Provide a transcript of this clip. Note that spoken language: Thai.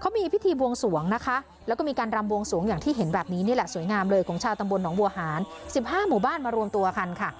เขามีพิธีบวงสวงนะคะแล้วก็มีการรำบวงสวงอย่างที่เห็นแบบนี้นี่แหละสวยงามเลยของชาวตำบลหนองบัวหาร๑๕หมู่บ้านมารวมตัวกันค่ะ